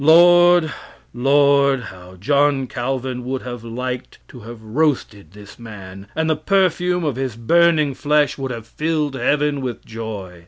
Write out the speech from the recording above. Lord, Lord, how John Calvin would have liked to have roasted this man, and the perfume of his burning flesh would have filled heaven with joy.